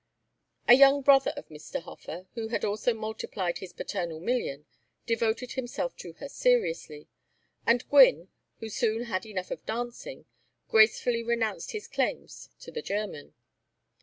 A younger brother of Mr. Hofer, who had also multiplied his paternal million, devoted himself to her seriously, and Gwynne, who soon had enough of dancing, gracefully renounced his claims to the german.